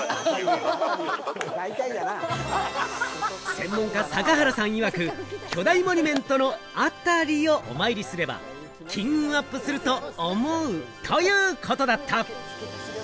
専門家・坂原さんいわく、巨大モニュメントのあたりをお参りすれば、金運がアップすると思う、ということだった。